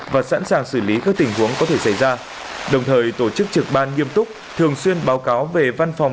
và sẵn sàng xử lý các tình huống có thể xảy ra đồng thời tổ chức trực ban nghiêm túc thường xuyên báo cáo về văn phòng